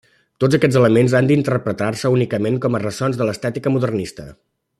Tots aquests elements han d'interpretar-se únicament com a ressons de l'estètica modernista.